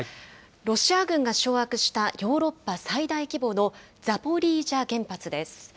ロシア軍が掌握したヨーロッパ最大規模のザポリージャ原発です。